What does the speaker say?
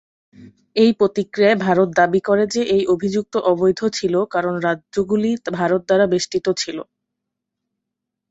এর প্রতিক্রিয়ায় ভারত দাবি করে যে এই অভিযুক্ত অবৈধ ছিল কারণ রাজ্যগুলি ভারত দ্বারা বেষ্টিত ছিল।